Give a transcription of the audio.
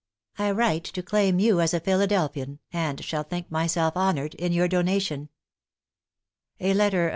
I write to claim you as a Philadelphian, and shall think myself honored in your donation." A letter of M.